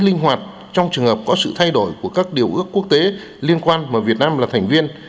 linh hoạt trong trường hợp có sự thay đổi của các điều ước quốc tế liên quan mà việt nam là thành viên